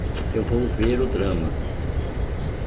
Eu vou ver o drama.